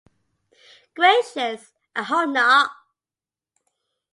Gracious, I hope not!